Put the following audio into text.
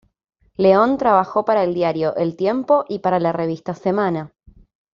León trabajó para el diario "El Tiempo" y para la revista "Semana".